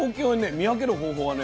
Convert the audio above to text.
見分ける方法はね